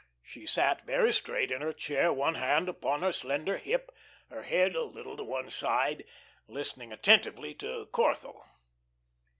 She sat very straight in her chair, one hand upon her slender hip, her head a little to one side, listening attentively to Corthell.